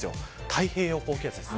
太平洋高気圧です。